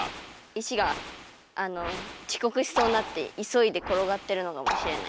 いしがちこくしそうになっていそいでころがってるのかもしれない。